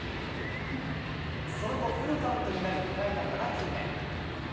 その後、フルカウントになり、迎えた７球目。